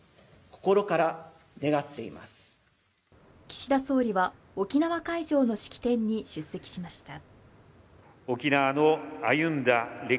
岸田総理は沖縄会場の式典に出席しました。